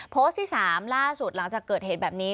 โพสต์ที่๓ล่าสุดหลังจากเกิดเหตุแบบนี้